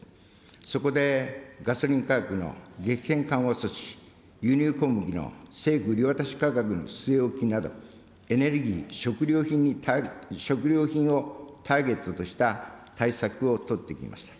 そこで、ガソリン価格の激変緩和措置、輸入小麦の政府売渡価格の据え置きなど、エネルギー、食料品をターゲットとした対策を取ってきました。